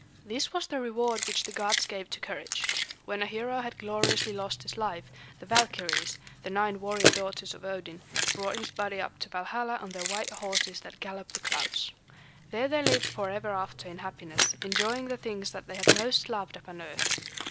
This was the reward which the gods gave to courage. When a hero had gloriously lost his life, the Valkyries, the nine warrior daughters of Odin, brought his body up to Valhalla on their white horses that gallop the clouds. There they lived forever after in happiness, enjoying the things that they had most loved upon earth.